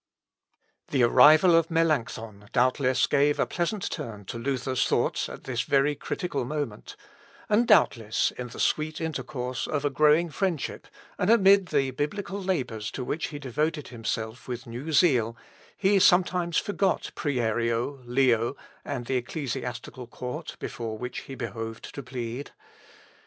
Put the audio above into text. The arrival of Melancthon, doubtless, gave a pleasant turn to Luther's thoughts at this very critical moment; and, doubtless, in the sweet intercourse of a growing friendship, and amid the biblical labours to which he devoted himself with new zeal, he sometimes forgot Prierio, Leo, and the ecclesiastical court before which he behoved to plead.